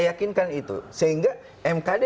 yakinkan itu sehingga mkd